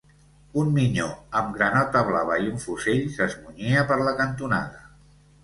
Un minyó amb granota blava i un fusell s'esmunyia per la cantonada.